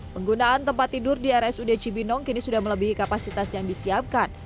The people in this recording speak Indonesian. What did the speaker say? penggunaan tempat tidur di rsud cibinong kini sudah melebihi kapasitas yang disiapkan